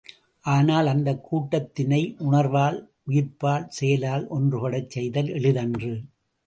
ஆனால், அந்தக் கூட்டத்தினை உணர்வால், உயிர்ப்பால் செயலால் ஒன்றுபடச் செய்தல் எளிதன்று.